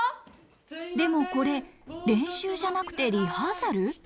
でもこれ練習じゃなくてリハーサル？